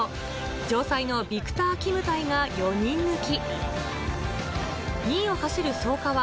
城西のヴィクター・キムタイが４人抜き。